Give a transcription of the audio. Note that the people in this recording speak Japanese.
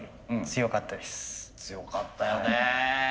強かったよね。